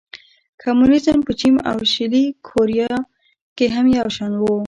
کمونېزم په چین او شلي کوریا کې هم یو شان و.